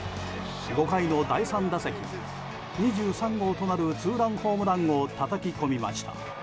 ５回の第３打席は２３号となるツーランホームランをたたき込みました。